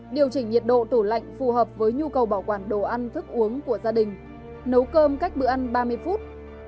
điều chỉnh nhiệt độ tủ lạnh phù hợp với nhu cầu bảo quản đồ ăn thức uống của gia đình nấu cơm cách bữa ăn ba mươi phút